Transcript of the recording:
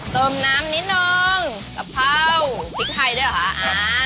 เติมน้ำนิดนึงกะเพราพริกไทยด้วยเหรอคะอ่า